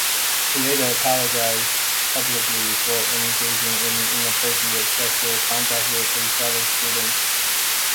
He later apologized publicly for engaging in inappropriate sexual conduct with a fellow student.